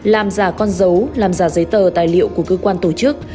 làm giả con dấu làm giả giấy tờ tài liệu của cơ quan tổ chức